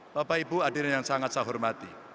bapak ibu hadirin yang sangat saya hormati